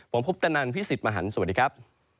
ผมคุปตนันพี่สิทธิ์มหันฯสวัสดีครับ